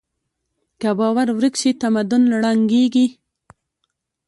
که باور ورک شي، تمدن ړنګېږي.